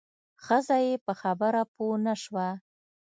ښځه یې په خبره پوه نه شوه.